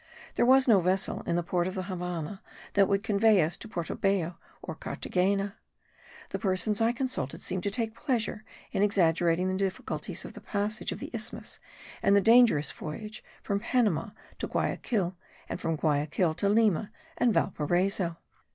There was no vessel in the port of the Havannah that would convey us to Porto Bello or Carthagena. The persons I consulted seemed to take pleasure in exaggerating the difficulties of the passage of the isthmus, and the dangerous voyage from Panama to Guyaquil, and from Guyaquil to Lima and Valparaiso.